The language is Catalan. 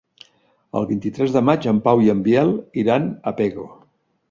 El vint-i-tres de maig en Pau i en Biel iran a Pego.